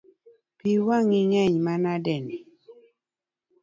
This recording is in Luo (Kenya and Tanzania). Pi wang’i ngeny manadeno?